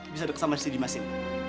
bisa dek sama sidi masin